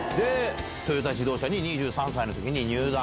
「トヨタ自動車に２３歳の時に入団」。